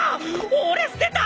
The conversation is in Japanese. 俺捨てた！